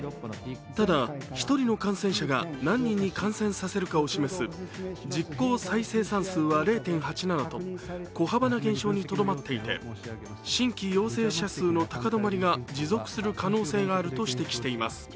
ただ、１人の感染者が何人に感染させるかを示す実効再生産数は０．８７と小幅な減少にとどまっていて新規陽性者数の高止まりが持続する可能性があると指摘しています。